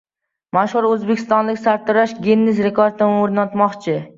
Mashhur o‘zbekistonlik sartarosh Ginnes rekordini o‘rnatmoqchi